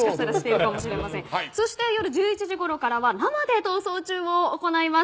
そして、夜１１時ごろからは生で「逃走中」を行います。